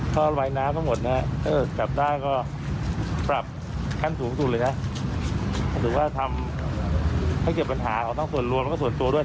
ถูกว่าทำระเกียบปัญหาของตั้งส่วนรวมแล้วก็ส่วนตัวด้วย